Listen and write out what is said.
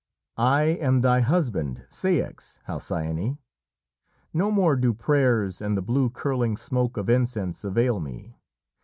"I am thy husband, Ceyx, Halcyone. No more do prayers and the blue curling smoke of incense avail me.